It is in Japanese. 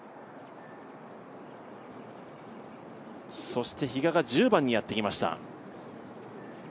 そして比嘉が１０番にやってきました。